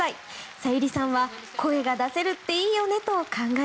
さゆりさんは声が出せるっていいよねと感慨